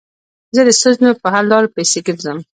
زه د ستونزو په حل لارو پيسي ګرځم.